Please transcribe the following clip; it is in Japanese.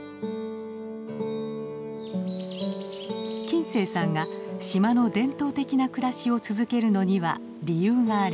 金星さんが島の伝統的な暮らしを続けるのには理由があります。